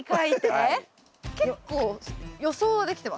結構予想はできてます。